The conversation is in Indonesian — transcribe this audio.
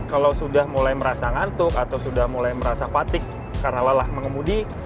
kalau sudah mulai merasa ngantuk atau sudah mulai merasa fatigue karena lelah mengemudi